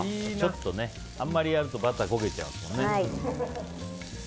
あんまりやるとバターが焦げちゃうからね。